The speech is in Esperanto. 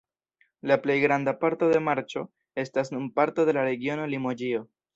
La plej granda parto de Marĉo estas nun parto de la regiono Limoĝio.